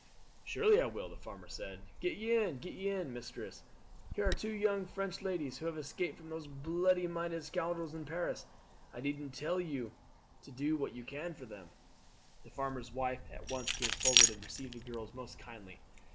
"Surely I will," the farmer said. "Get ye in, get ye in. Mistress, here are two young French ladies who have escaped from those bloody minded scoundrels in Paris. I needn't tell you to do what you can for them." The farmer's wife at once came forward and received the girls most kindly.